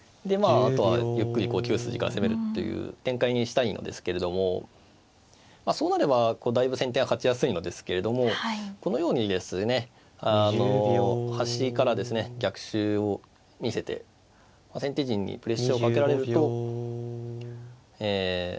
あとはゆっくり９筋から攻めるという展開にしたいのですけれどもそうなればだいぶ先手が勝ちやすいのですけれどもこのようにですねあの端からですね逆襲を見せて先手陣にプレッシャーをかけられるとえ